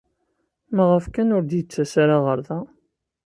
Maɣef kan ur d-yettas ara ɣer da?